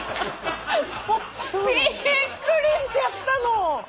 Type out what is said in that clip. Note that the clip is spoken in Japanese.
びっくりしちゃったの！